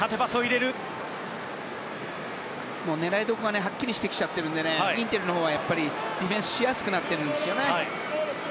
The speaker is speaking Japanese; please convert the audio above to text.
狙いどころがはっきりしてきているのでインテルのほうはディフェンスをしやすくなってますね。